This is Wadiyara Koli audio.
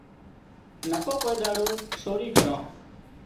نڪو ڪوئي ۮاڙو سورِي ڪران